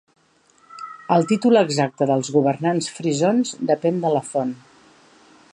El títol exacte dels governants frisons depèn de la font.